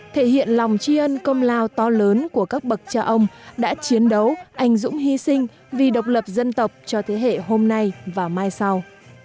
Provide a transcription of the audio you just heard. thể hiện lòng tri ân công lao to lớn của các bậc cha ông đã chiến đấu anh dũng hy sinh vì độc lập dân tộc cho thế hệ hôm nay và mai sau